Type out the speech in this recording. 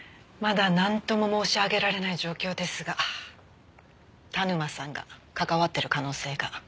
まだなんとも申し上げられない状況ですが田沼さんが関わってる可能性が。